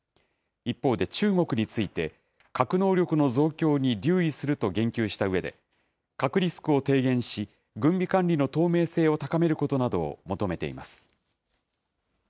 一方で中国について、核能力の増強に留意すると言及したうえで、核リスクを低減し、軍備管理の透明性を高めることなどを求めています。